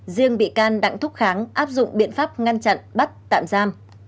riêng bị can đặng thúc kháng áp dụng biện pháp ngăn chặn bắt tạm giam